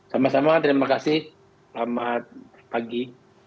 sama sama terima kasih selamat pagi